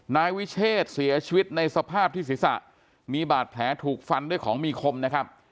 นายวิเชษเสียชีวิตในสภาพที่ศีรษะมีบาดแผลถูกฟันด้วยของมีคมนะครับ